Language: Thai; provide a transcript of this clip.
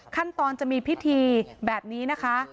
ขั้นตอนจะมีพิธีแบบนี้นะคะ